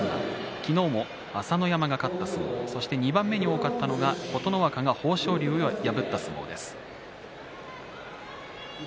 昨日も朝乃山が勝った相撲そして２番目に多かったのは琴ノ若の対戦豊昇龍を破りました。